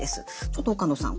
ちょっと岡野さん